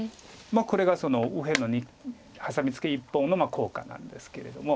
これが右辺のハサミツケ１本の効果なんですけれども。